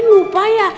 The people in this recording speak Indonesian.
karin lupa ya